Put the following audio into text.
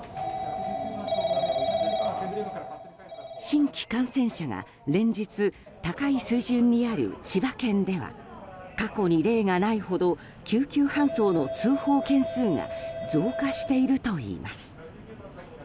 新規感染者が連日高い水準にある千葉県では過去に例がないほど救急搬送の通報件数が増加しているといいます。